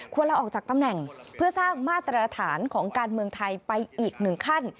ลาออกจากตำแหน่งเพื่อสร้างมาตรฐานของการเมืองไทยไปอีกหนึ่งขั้น